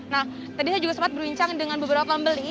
nah tadi saya juga sempat berbincang dengan beberapa pembeli